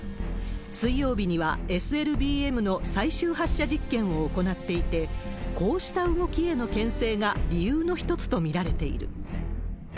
水曜日にはＳＬＢＭの最終発射実験を行っていて、こうした動きへのけん制が理由の一つと見られている。